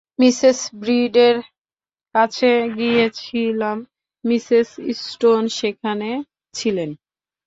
Mrs ব্রীডের কাছে গিয়েছিলাম, মিসেস স্টোন সেখানে ছিলেন।